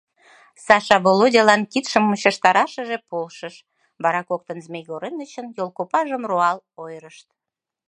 Саша Володялан кидшым мучыштарашыже полшыш, вара коктын Змей Горынычын йолкопажым руал ойырышт.